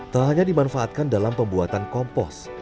tak hanya dimanfaatkan dalam pembuatan kompos